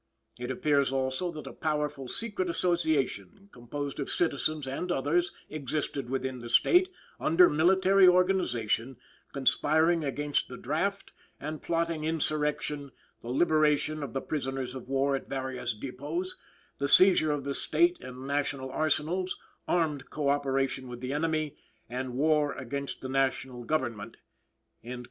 It appears, also, that a powerful secret association, composed of citizens and others, existed within the State, under military organization, conspiring against the draft, and plotting insurrection, the liberation of the prisoners of war at various depots, the seizure of the State and national arsenals, armed co operation with the enemy, and war against the national government."